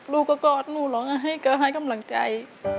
ลูกก็กอดหนูหรอกนะให้เกิดให้กำลังใจ